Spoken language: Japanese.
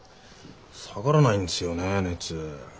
下がらないんですよね熱。